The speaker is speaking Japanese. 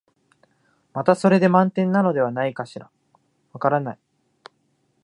またそれで満点なのではないかしら、わからない、